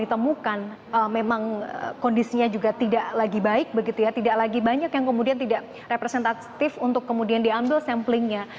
dan ditemukan memang kondisinya juga tidak lagi baik begitu ya tidak lagi banyak yang kemudian tidak representatif untuk kemudian diambil samplingnya